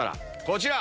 こちら！